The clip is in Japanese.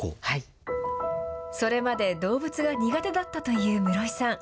それまで動物が苦手だったという室井さん。